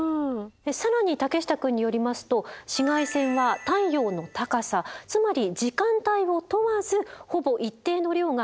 更に竹下くんによりますと紫外線は太陽の高さつまり時間帯を問わずほぼ一定の量が家の中に入ってくるそうでございます。